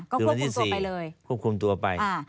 ก็ควบคุมตัวไปเลย